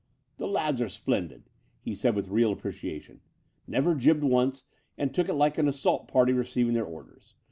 ''The lads are splendid," he said with real appreciation — ''never jibbed once, and took it like an assault party receiving their orders.